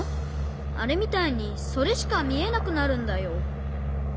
あれみたいにそれしかみえなくなるんだよ。